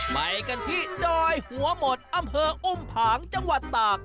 ไปกันที่ดอยหัวหมดอำเภออุ้มผางจังหวัดตาก